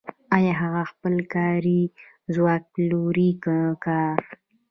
آیا هغه خپل کاري ځواک پلوري که کار